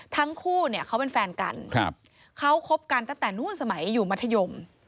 ทั้งคู่เนี่ยเขาเป็นแฟนกันเขาคบกันตั้งแต่นู้นสมัยอยู่มัธยม